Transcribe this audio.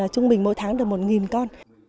trung bình mỗi tháng được một con